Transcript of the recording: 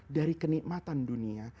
dari kenikmatan dunia